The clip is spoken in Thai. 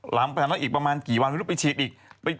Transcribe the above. หลังจากนั้นอีกประมาณกี่วันไม่รู้ไปฉีดอีก